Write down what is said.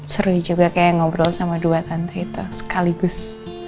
seru juga kayak ngobrol sama dua tante itu sekaligus